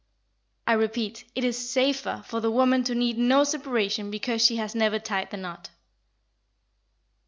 I repeat, it is safer for the woman to need no separation because she has never tied the knot.